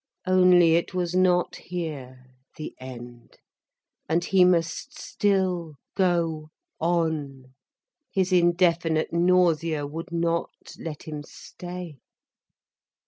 Only it was not here, the end, and he must still go on. His indefinite nausea would not let him stay.